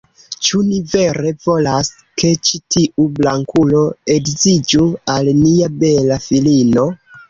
"Ĉu ni vere volas, ke ĉi tiu blankulo edziĝu al nia bela filino?"